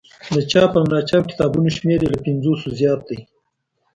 د چاپ او ناچاپ کتابونو شمېر یې له پنځوسو زیات دی.